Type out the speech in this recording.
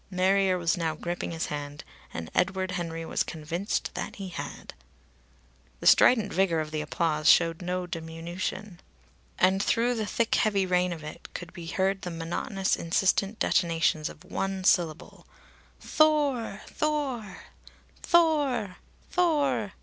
Marrier was now gripping his hand. And Edward Henry was convinced that he had. The strident vigour of the applause showed no diminution. And through the thick heavy rain of it could be heard the monotonous insistent detonations of one syllable: "'Thor! 'Thor! 'Thor! Thor! Thor!"